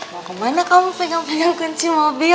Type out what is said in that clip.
mau kemana kamu pegang pegang kunci mobil